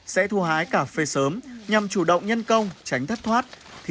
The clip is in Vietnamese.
sẽ thu hái cà phê sớm nhằm chủ động nhân công tránh thất thoát